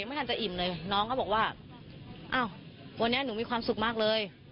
ไม่ทันจะอิ่มเลยน้องเขาบอกว่าอ้าววันนี้หนูมีความสุขมากเลย